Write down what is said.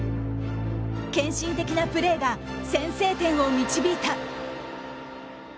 献身的なプレーが先制点を導いた。